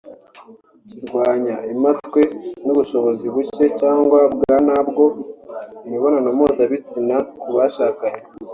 kirwanya impatwe n’ubushobozi buke cyangwa bwa ntabwo mu mibonano mpuzabitsina ku bashakanye